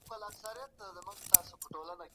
د پوه په وسيله ستونزي حل کړئ.